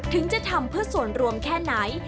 ถึงจะทำเพื่อส่วนรวมแค่ไหน